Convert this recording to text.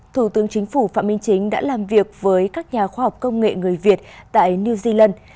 thủ tướng chính phủ phạm minh chính đã làm việc với các nhà khoa học công nghệ người việt tại new zealand